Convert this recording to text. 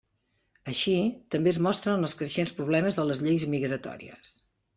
Així, també es mostren els creixents problemes de les lleis migratòries.